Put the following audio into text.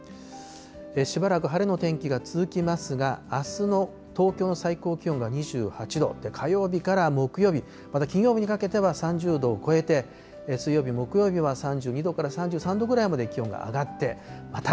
しばらく晴れの天気が続きますが、あすの東京の最高気温が２８度、火曜日から木曜日、また金曜日にかけては、３０度を超えて、水曜日、木曜日は３２度から３３度ぐらいまで気温が上がって、また。